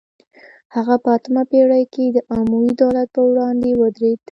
هغه په اتمه پیړۍ کې د اموي دولت پر وړاندې ودرید